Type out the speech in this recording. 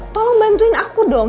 tolong bantuin aku dong